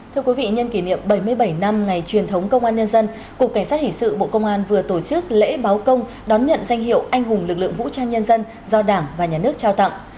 thưa quý vị nhân kỷ niệm bảy mươi bảy năm ngày truyền thống công an nhân dân cục cảnh sát hình sự bộ công an vừa tổ chức lễ báo công đón nhận danh hiệu anh hùng lực lượng vũ trang nhân dân do đảng và nhà nước trao tặng